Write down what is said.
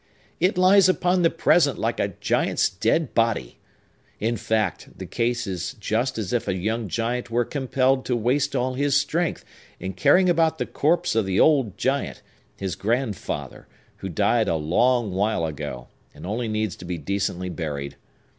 "It lies upon the Present like a giant's dead body! In fact, the case is just as if a young giant were compelled to waste all his strength in carrying about the corpse of the old giant, his grandfather, who died a long while ago, and only needs to be decently buried.